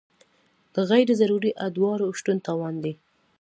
د غیر ضروري ادارو شتون تاوان دی.